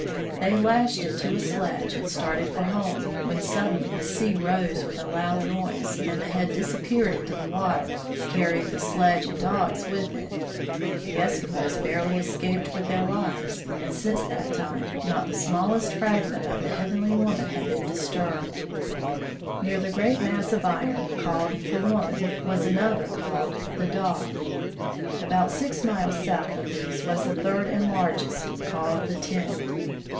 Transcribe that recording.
They lashed it to a sledge and started for home, when suddenly the sea rose with a loud noise, and the head disappeared into the water, carrying the sledge and dogs with it. The The " Tent " Meteorite. Eskimos barely escaped with their lives, and since that time not the smallest fragment of the heavenly woman had been disturbed. Near the great mass of iron, called " the woman," was another, called "the dog." About six miles south of these was the third and largest, called "the tent."